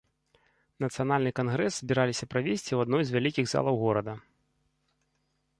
Нацыянальны кангрэс збіраліся правесці ў адной з вялікіх залаў горада.